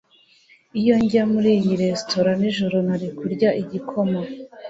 Iyo njya muri iyo resitora nijoro nari kurya igikoma